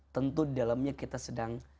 tentu dalamnya kita sedang